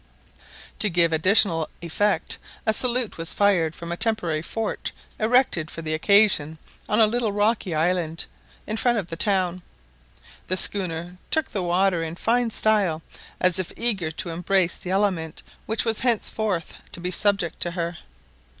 To give additional effect, a salute was fired from a temporary fort erected for the occasion on a little rocky island in front of the town. The schooner took the water in fine style, as if eager to embrace the element which was henceforth to be subject to her.